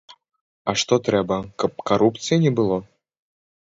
А што трэба, каб карупцыі не было?